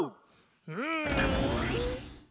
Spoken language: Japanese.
うん！